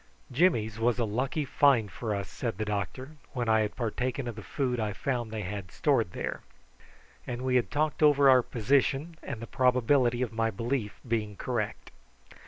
"Jimmy's was a lucky find for us," said the doctor, when I had partaken of the food I found they had stored there, and we had talked over our position and the probability of my belief being correct.